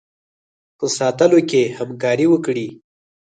په ساتلو کې همکاري وکړي.